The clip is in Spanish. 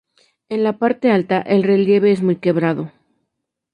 En la parte alta, el relieve es muy quebrado.